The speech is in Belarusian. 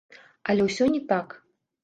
Але ўсё не так.